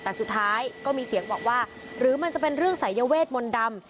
แต่สุดท้ายก็มีเสียงบอกว่าหรือมันจะเป็นเรื่องสายเวทมนต์ดำ